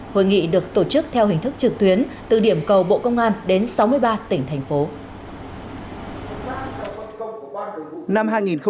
hội nghị được tổ chức theo hình thức trực tuyến từ điểm cầu bộ công an đến sáu mươi ba tỉnh thành phố